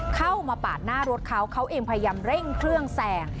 เข้ามาปาดหน้ารถเขาเขาเองพยายามเร่งเครื่องแซง